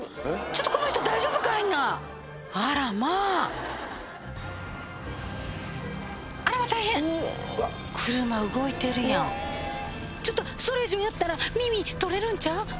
ちょっとこの人大丈夫かいなあらまああら大変車動いてるやんちょっとそれ以上やったら耳取れるんちゃう？